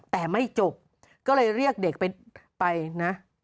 แต่ไม่จบก็เลยเรียกเด็กไปนะ